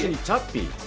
チャッピー？